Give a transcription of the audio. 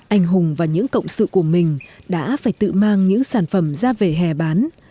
anh hùng và những cộng sự của mình đã phải tự mang những sản phẩm ra về hè bán